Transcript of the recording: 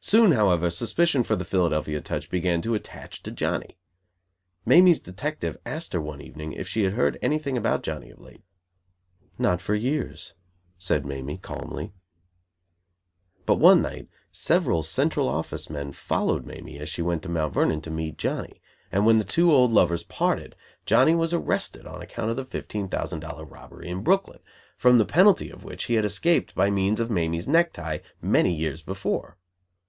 Soon, however, suspicion for the Philadelphia touch began to attach to Johnny. Mamie's detective asked her one evening if she had heard anything about Johnny, of late. "Not for years," said Mamie, calmly. But one night, several Central Office men followed Mamie as she went to Mt. Vernon to meet Johnny; and when the two old lovers parted, Johnny was arrested on account of the fifteen thousand dollar robbery in Brooklyn, from the penalty of which he had escaped by means of Mamie's neck tie many years before.